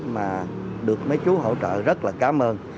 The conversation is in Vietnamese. mà được mấy chú hỗ trợ rất là cảm ơn